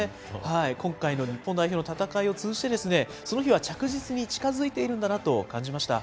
今回の日本代表の戦いを通じて、その日は着実に近づいているんだなと感じました。